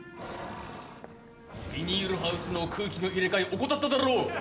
ビニールハウスの空気の入れ替え怠っただろ！